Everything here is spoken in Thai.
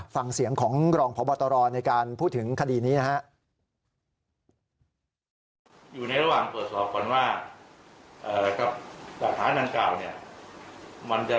ฟังเสียงของรองพบตรในการพูดถึงคดีนี้นะฮะ